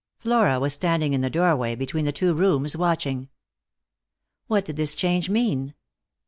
Flora was standing in the doorway be tween the two rooms watching. What did this change mean